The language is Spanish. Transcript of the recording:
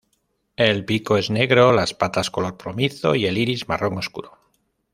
El pico es negro, las patas color plomizo y el iris marrón oscuro.